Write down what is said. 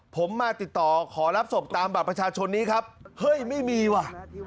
ผมมาติดต่อขอรับศพตามบัตรประชาชนนี้ครับเฮ้ยไม่มีว่ะ